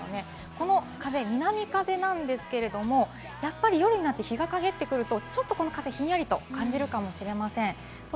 この風、南風なんですけれども、やっぱり夜になって日が陰ってくると、ちょっとこの風、ひんやりと感じるかもしれません。